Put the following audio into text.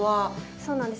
そうなんですよ。